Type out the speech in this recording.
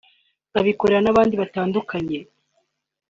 abikorera n’abandi batandukanye